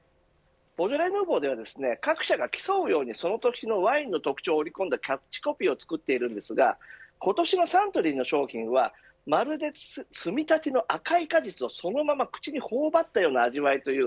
ボジョレ・ヌーボーでは各社が競うようにその年のワインの特徴を織り込んだキャッチコピーを作っているんですが今年のサントリーの商品はまるでつみ立ての赤い果実をそのまま口に頬張ったような味わいという。